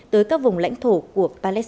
tới các vùng lãnh đạo